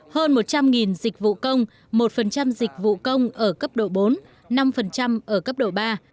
hơn một trăm linh dịch vụ công một dịch vụ công ở cấp độ bốn năm ở cấp độ ba